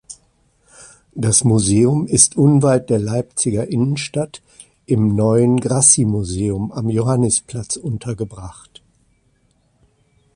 Das Museum ist unweit der Leipziger Innenstadt im Neuen Grassimuseum am Johannisplatz untergebracht.